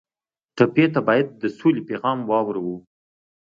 ټپي ته باید د سولې پیغام واورو.